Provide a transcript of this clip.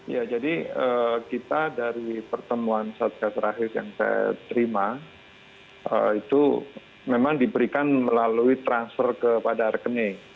ya jadi kita dari pertemuan satgas terakhir yang saya terima itu memang diberikan melalui transfer kepada rekening